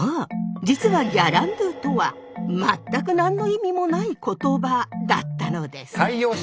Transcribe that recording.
実はギャランドゥとは全く何の意味もない言葉だったのです！